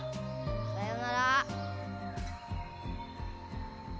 さよなら。